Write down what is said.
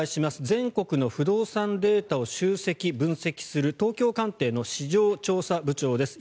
全国の不動産データを集積・分析する東京カンテイの市場調査部長です。